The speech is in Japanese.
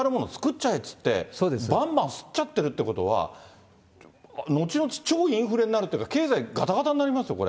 ちゃえっていって、ばんばん刷っちゃってるっていうことは、後々超インフレになるっていうか、経済がたがたになりますよ、これ。